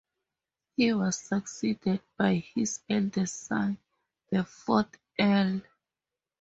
He was succeeded by his eldest son, the fourth Earl.